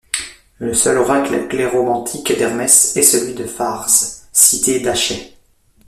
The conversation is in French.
Le seul oracle cléromantique d'Hermès est celui de Pharse, cité d'Achaie.